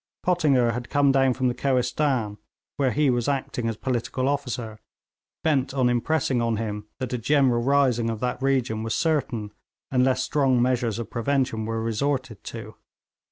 Pottinger had come down from the Kohistan, where he was acting as political officer, bent on impressing on him that a general rising of that region was certain unless strong measures of prevention were resorted to.